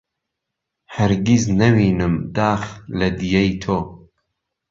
هەرگیز نەوینم داخ لە دییەی تۆ